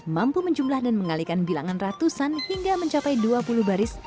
mampu menjumlah dan mengalihkan bilangan ratusan hingga mencapai dua puluh baris